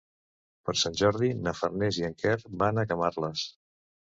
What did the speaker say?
Per Sant Jordi na Farners i en Quer van a Camarles.